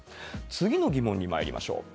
次の疑問にまいりましょう。